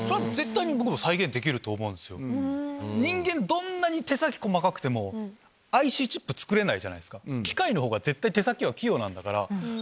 どんなに手先細かくてもＩＣチップ作れないじゃないですか。